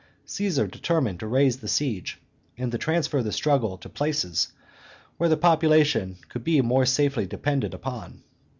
Caesar determined to raise the siege, and to transfer the struggle to places where the population could be more safely depended upon.